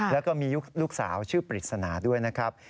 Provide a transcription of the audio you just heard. แล้วก็มีลูกสาวชื่อปริศนาด้วยนะครับ